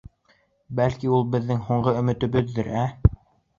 Бәлки, ул беҙҙең һуңғы өмөтөбөҙҙөр, ә?